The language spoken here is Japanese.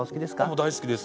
もう大好きです。